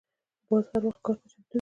باز هر وخت ښکار ته چمتو وي